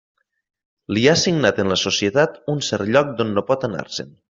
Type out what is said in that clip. Li ha assignat en la societat un cert lloc d'on no pot anar-se'n.